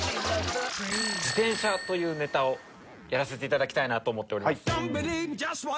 「自転車」というネタをやらせていただきたいなと思っております